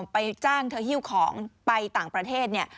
ไปจ้างเธอหิ้วของไปต่างประเทศเนี่ย